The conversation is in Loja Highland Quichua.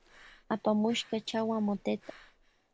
Apamushka chawa moteta.